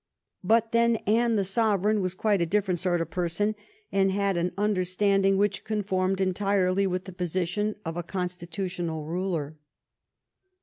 But then Anne the sovereign was quite a different sort of person, and had an understanding which conformed entirely with the position of a constitutional ruler.